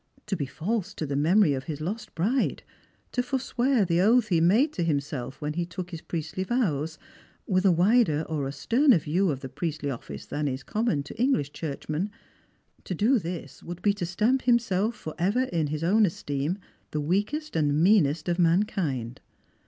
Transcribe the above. To be false to the memory of his lost bride, to forswear the oath he made to himself when he took his priestly vows, with a wider or a sterner view of the priestly office than is common to English churchmen — to do this would be to stamp himself for ever in his own esteem the weakest and meanest of mankind.